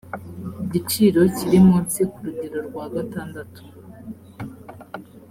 giciro kiri munsi ku rugero rwa gatandatu